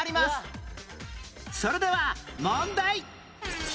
それでは問題